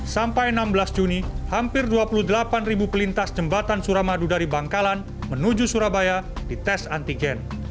sampai enam belas juni hampir dua puluh delapan ribu pelintas jembatan suramadu dari bangkalan menuju surabaya dites antigen